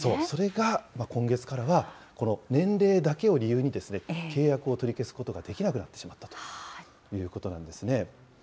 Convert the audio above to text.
それが、今月からは年齢だけを理由に契約を取り消すことができなくなってしまったということなんですね。